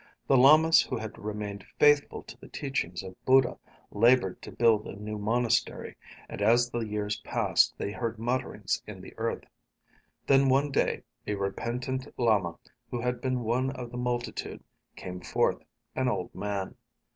The lamas who had remained faithful to the teachings of Buddha labored to build a new monastery, and as the years passed they heard mutterings in the earth. Then one day a repentant lama, who had been one of the multitude, came forth, an old man.